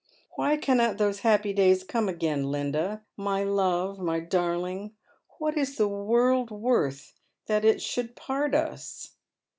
Why cannot those happy days come again, Linda ? My love, my darling, what ia the world worth that it should part us